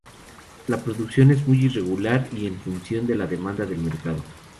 La producción es muy irregular y en función de la demanda del mercado.